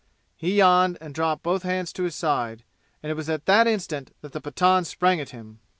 He yawned and dropped both hands to his side; and it was at that instant that the Pathan sprang at him.